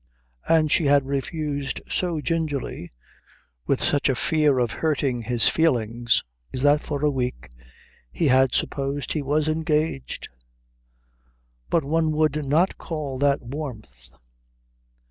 and she had refused so gingerly, with such fear of hurting his feelings, that for a week he had supposed he was engaged; but one would not call that warmth.